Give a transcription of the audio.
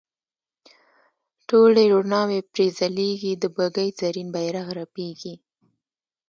ټولې روڼاوې پرې ځلیږي د بګۍ زرین بیرغ رپیږي.